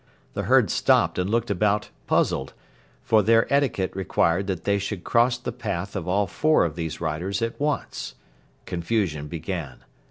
The herd stopped and looked about puzzled, for their etiquette required that they should cross the path of all four of these riders at once. Confusion began.